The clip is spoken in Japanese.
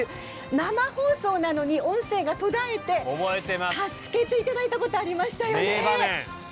生放送なのに、音声が途絶えて、助けていただいたことありましたよね。